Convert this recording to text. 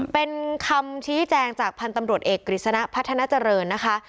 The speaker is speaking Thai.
เป็นคำชี้แจงจากพันธุ์ตำรวจเอกกฤษณะพัฒนาเจริญนะคะ